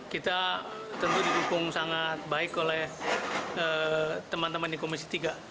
kita tentu didukung sangat baik oleh teman teman di komisi tiga